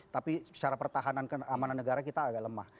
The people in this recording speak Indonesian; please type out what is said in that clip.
tapi secara pertahanan keamanan negara kita agak lemah